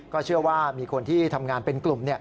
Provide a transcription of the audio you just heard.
เชื่อว่ามีคนที่ทำงานเป็นกลุ่ม